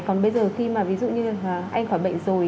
còn bây giờ khi mà ví dụ như anh khỏi bệnh rồi